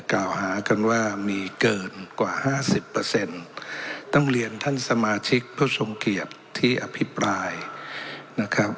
กล่าวหากันว่ามีเกินกว่าห้าสิบเปอร์เซ็นต์ต้องเรียนท่านสมาชิกผู้ทรงเกียรติที่อภิปรายนะครับ